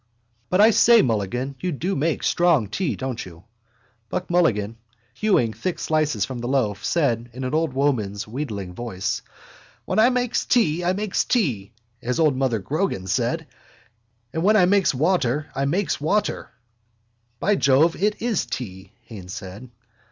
But, I say, Mulligan, you do make strong tea, don't you? Buck Mulligan, hewing thick slices from the loaf, said in an old woman's wheedling voice: —When I makes tea I makes tea, as old mother Grogan said. And when I makes water I makes water. —By Jove, it is tea, Haines said.